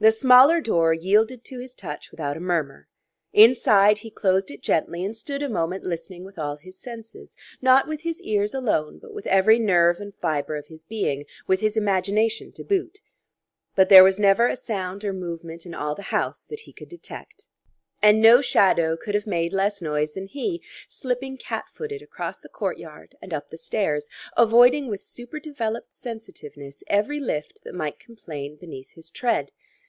The smaller door yielded to his touch without a murmur. Inside, he closed it gently, and stood a moment listening with all his senses not with his ears alone but with every nerve and fibre of his being with his imagination, to boot. But there was never a sound or movement in all the house that he could detect. And no shadow could have made less noise than he, slipping cat footed across the courtyard and up the stairs, avoiding with super developed sensitiveness every lift that might complain beneath his tread.